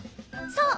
そう。